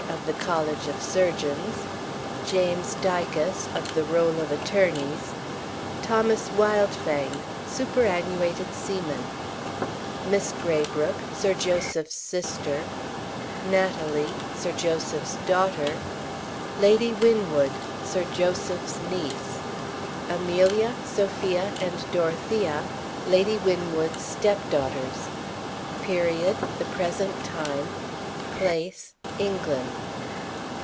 .(Of the College of Surgeons) James Dicas. .... .(Of the Roll of Attorneys) Thomas Wildfang. .... .(Superannuated Seaman) Miss Graybrooke. ..... (Sir Joseph's Sister) Natalie. ........ (Sir Joseph's Daughter) Lady Winwood ....... .(Sir Joseph's Niece) Amelia} Sophia}. (Lady Winwood's Stepdaughter's) and Dorothea} Period: THE PRESENT TIME. Place: ENGLAND.